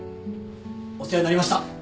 お世話になりました。